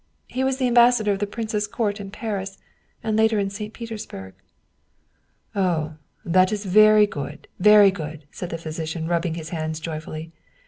He was the ambassador of the prince's court in Paris, and later in St. Petersburg." " Oh, that is very good, very good !" said the physician, rubbing his hands joyfully.